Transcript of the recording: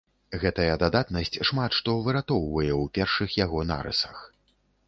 Гэтая дадатнасць шмат што выратоўвае ў першых яго нарысах.